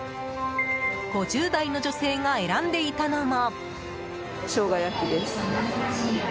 ５０代の女性が選んでいたのも。